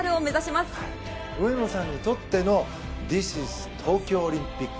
松岡：上野さんにとっての「Ｔｈｉｓｉｓ東京オリンピック」。